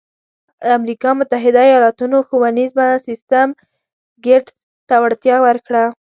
د امریکا متحده ایالتونو ښوونیز سیستم ګېټس ته وړتیا ورکړه.